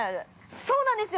◆そうなんですよ。